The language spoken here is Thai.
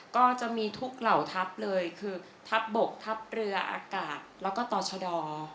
ก็จะมีทุกเหล่าทัพเลยคือทัพบกทัพเรืออากาศแล้วก็ต่อชะดอ